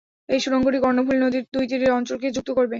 এই সুড়ঙ্গটি কর্ণফুলী নদীর দুই তীরের অঞ্চলকে যুক্ত করবে।